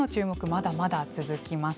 まだまだ続きます。